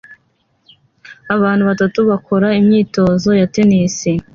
Abantu batatu bakora imyitozo ya tennis